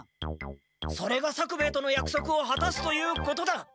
それが作兵衛とのやくそくをはたすということだ。